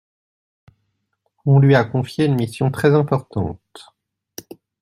On lui a confié une mission très importante.